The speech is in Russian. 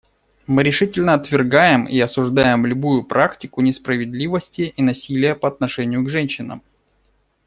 Мы решительно отвергаем и осуждаем любую практику несправедливости и насилия по отношению к женщинам.